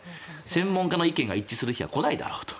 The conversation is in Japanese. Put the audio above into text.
専門家の意見が一致する日は来ないだろうと。